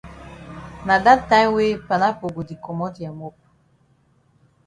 Na dat time wey panapo go di komot ya mop.